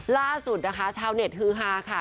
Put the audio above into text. ล่าสุดนะคะชาวเน็ตฮือฮาค่ะ